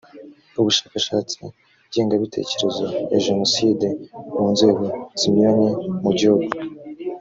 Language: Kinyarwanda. ubushakashatsi ngengabitekerezo ya jenoside mu nzego zinyuranye mu gihugu